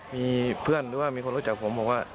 มีเพื่อนหรือว่ามีคนรู้จักผมบอกว่า